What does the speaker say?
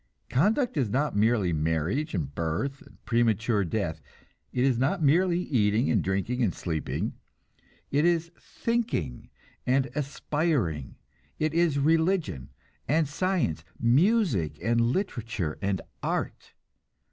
Conduct is not merely marriage and birth and premature death; it is not merely eating and drinking and sleeping: it is thinking and aspiring; it is religion and science, music and literature and art.